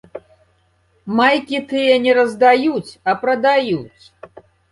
Майкі ты не раздаюць, а прадаюць.